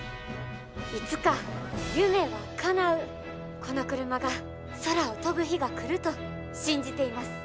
「いつか夢はかなうこのクルマが空を飛ぶ日が来ると信じています。